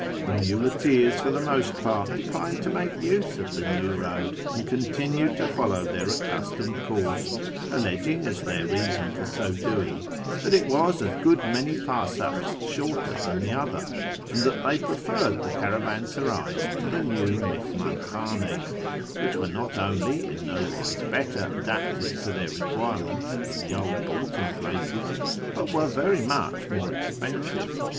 The muleteers for the most part declined to make use of the new road, and continued to follow their accustomed course, alleging as their reason for so doing that it was a good many farsakhs shorter than the other, and that they preferred the caravansarays to the new mihmcm hJidnes, which were not only in no wise better adapted to their require ments than their old halting places, but were very much more expensive.